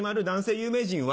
有名人は？